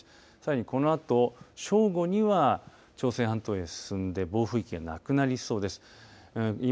さらにこのあと正午には朝鮮半島へ進んで暴風域はなくなりそうです。